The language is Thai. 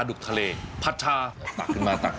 อื้อ